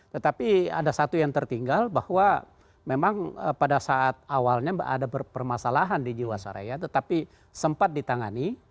tetapi ada satu yang tertinggal bahwa memang pada saat awalnya ada permasalahan di jiwasraya tetapi sempat ditangani